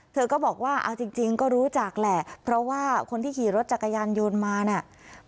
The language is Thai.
เธอก็บอกว่าเอาจริงก็รู้จักแหละเพราะว่าคนที่ขี่รถจักรยานยนต์มาเนี่ย